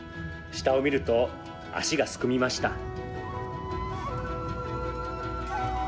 下を見ると足がすくみました。